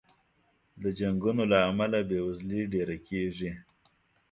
د جنګونو له امله بې وزلي ډېره کېږي.